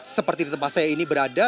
seperti di tempat saya ini berada